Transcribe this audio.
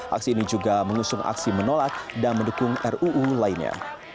aksi ini juga mengusung aksi menolak dan mendukung ruu lainnya